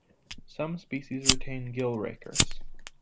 Some species retain gill rakers.